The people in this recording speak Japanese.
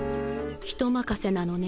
人まかせなのね